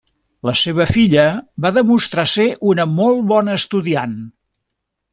La seva filla va demostrar ser una molt bona estudiant.